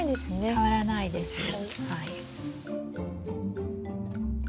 変わらないですはい。